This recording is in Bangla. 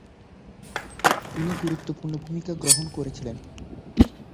তিনি গুরুত্বপূর্ণ ভূমিকা গ্রহণ করেছিলেন।